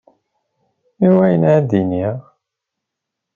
I wana ara d-iniɣ?